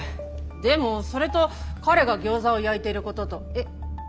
でもそれと彼がギョーザを焼いていることとえひゃっ！？